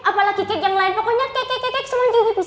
apalagi cake yang lain pokoknya cake cake cake